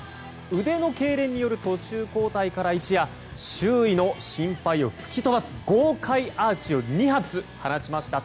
腕のけいれんによる途中交代から一夜周囲の心配を吹き飛ばす豪快アーチを２発放ちました。